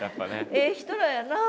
ええ人らやなあ。